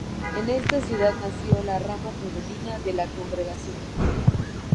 En esta ciudad nació la rama femenina de la congregación.